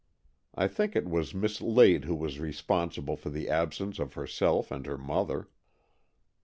I think it was Miss Lade who was responsible for the absence of herself and her mother.